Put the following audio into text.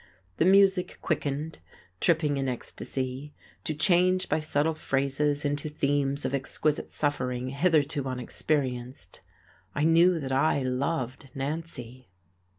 The music quickened, tripping in ecstasy, to change by subtle phrases into themes of exquisite suffering hitherto unexperienced. I knew that I loved Nancy.